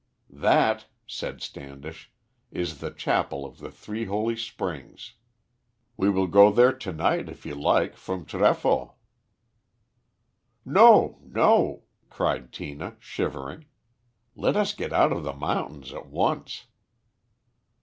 "That," said Standish, "is the chapel of the Three Holy Springs. We will go there to night, if you like, from Trefoi." "No, no!" cried Tina, shivering. "Let us get out of the mountains at once."